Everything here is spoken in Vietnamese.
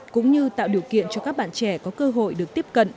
cũng như tạo điều kiện cho các bạn trẻ có cơ hội được tiếp cận